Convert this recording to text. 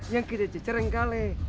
yang kita cicer yang kalah